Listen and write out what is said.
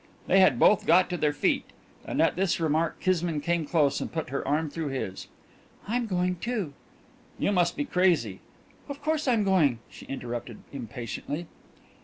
They had both got to their feet, and at this remark Kismine came close and put her arm through his. "I'm going, too." "You must be crazy " "Of course I'm going," she interrupted impatiently.